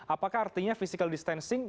apakah artinya physical distancing